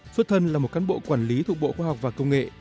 xuất thân là một cán bộ quản lý thuộc bộ khoa học và công nghệ